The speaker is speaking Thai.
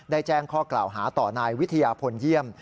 แจ้งข้อกล่าวหาต่อนายวิทยาพลเยี่ยม